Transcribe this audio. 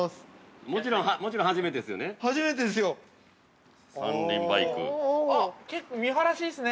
◆もちろん初めてですよね？